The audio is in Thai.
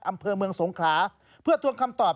อำเภอเมืองสงขลาเพื่อทวงคำตอบ